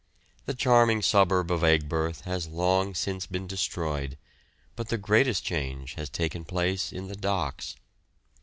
The charming suburb of Aigburth has long since been destroyed, but the greatest change has taken place in the docks.